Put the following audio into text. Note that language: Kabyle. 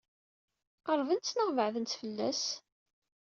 Qeṛbent neɣ beɛdent fell-as?